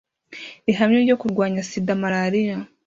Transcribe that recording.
rihamye ryo kurwanya SIDA Malariya